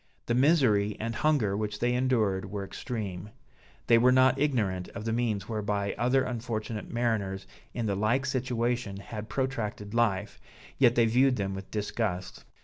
The misery and hunger which they endured, were extreme; they were not ignorant of the means whereby other unfortunate mariners in the like situation had protracted life, yet they viewed them with disgust.